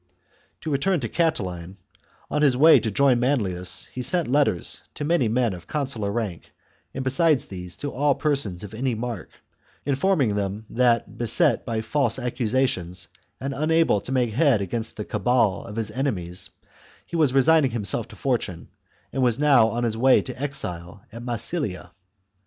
To return to Catiline ; on his way to join Manlius he sent letters to many men of consular rank, and, besides these, to all persons of any mark, informing them that beset by false accusations, and unable to make head against the cabal of his enemies, he was resigning himself to fortune, and was now on his way to exile at Massilia.